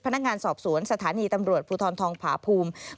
พนักงานสอบสวนสถานีตำรวจภูทรทองผาภูมิ